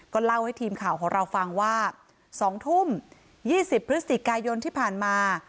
ก็เล่าให้ทีมข่าวของเราฟังว่าสองทุ่มยี่สิบพฤษฎิกายนที่ผ่านมา